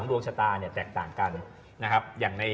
ของดวงชะตาติก็จะแตกต่างกันอย่างในปีนี้หัสเด็กสูงขนาดไข